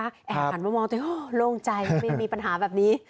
แอบหันมามองตัวเองโล่งใจไม่มีปัญหาแบบนี้